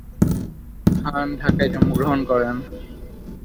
খান ঢাকায় জন্মগ্রহণ করেন।